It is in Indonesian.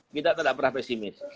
kita tidak pernah pesimis